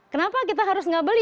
kenapa kita harus nggak beli